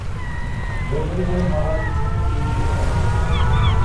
ভৌগোলিকভাবে মালয় দ্বীপপুঞ্জের পূর্ব দিকে এর অবস্থান।